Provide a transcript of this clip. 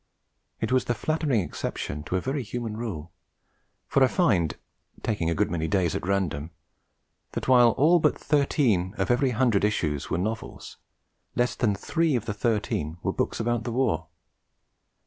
It was the flattering exception to a very human rule; for I find, taking a good many days at random, that while all but thirteen of every hundred issues were novels, less than three of the thirteen were books about the war.